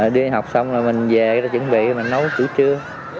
đưa đi học xong rồi mình về chuẩn bị nấu chữ trưa